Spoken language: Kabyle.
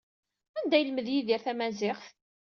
Anda ay yelmed Yidir tamaziɣt?